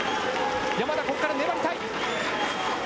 山田、ここから粘りたい。